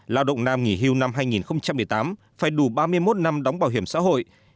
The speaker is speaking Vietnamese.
lao động nam nghỉ hưu năm hai nghìn một mươi tám phải đủ ba mươi một năm đóng bảo hiểm xã hội